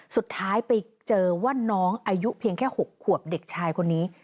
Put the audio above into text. สุดท้ายไปเจอว่าน้องอายุเพียงแค่๖ขวบเด็กชายคนนี้